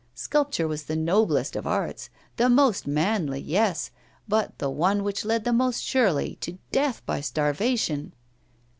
Sculpture was the noblest of arts, the most manly, yes, but the one which led the most surely to death by starvation!